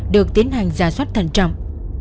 được tiến hành giả soát thần trọng